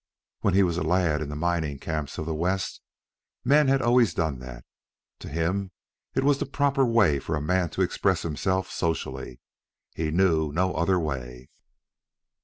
When he was a lad in the mining camps of the West, men had always done that. To him it was the proper way for a man to express himself socially. He knew no other way.